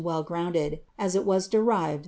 grounded, as it ivas derivtr!